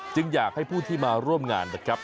จึงอยากให้ผู้ที่มาร่วมงานนะครับ